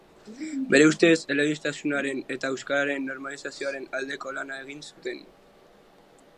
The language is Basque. Bere ustez, elebistasunaren eta euskararen normalizazioaren aldeko lana egin zuten.